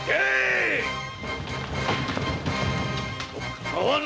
かまわぬ！